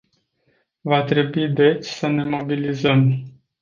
Va trebui deci să ne mobilizăm.